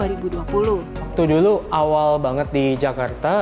waktu dulu awal banget di jakarta